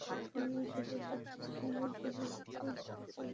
নির্মাণ শেষে এসব কোচ ইঞ্জিন সরবরাহে তিন থেকে চার বছর লাগতে পারে।